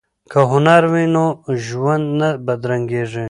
که هنر وي نو ژوند نه بدرنګیږي.